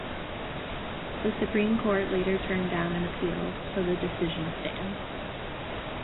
The Supreme Court later turned down an appeal, so the decision stands.